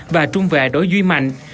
và trung vệ đối duy mạnh